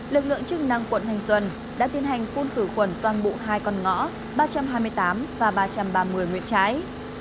lực lượng chức năng quận hành xuân đã tiến hành phun khử quần toàn bộ hai con ngõ ba trăm hai mươi tám và ba trăm ba mươi nguyễn trái